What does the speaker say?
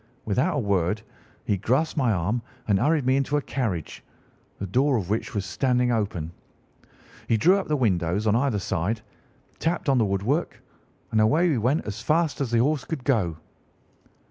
Without a word he grasped my arm and hurried me into a carriage, the door of which was standing open. He drew up the windows on either side, tapped on the wood work, and away we went as fast as the horse could go."